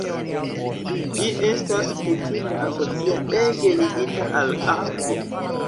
Ĝi estas kutime asocia ege ligita al akvo.